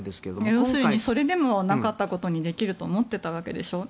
要するに、それでもなかったことにできると思っていたわけでしょ？